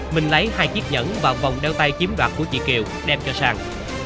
minh lấy hai chiếc nhẫn và vòng đeo tay chiếm đoạt của chị kiều đem cho sang